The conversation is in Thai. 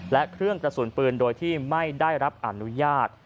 และเครื่องกระสุนปืนโดยที่ไม่ได้รับอนุญาต